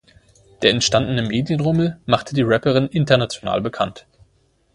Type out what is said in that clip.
Der entstandene Medienrummel machte die Rapperin international bekannt.